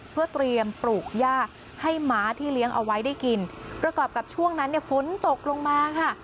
เพื่อเตรียมปลูกย่าให้หมาที่เลี้ยงเอาไว้ได้กินประกอบกับช่วงนั้นเนี่ยฝนตกลงมาค่ะ